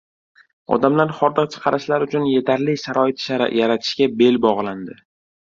Odamlar hordiq chiqarishlari uchun yetarli sharoit yaratishga bel bo'glandi.